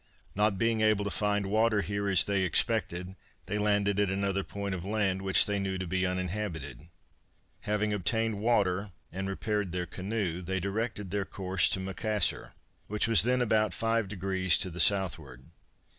Not being able to find water here as they expected, they landed at another point of land, which they knew to be uninhabited. Having obtained water and repaired their canoe, they directed their course to Macassar, which was then about five degrees to the southward.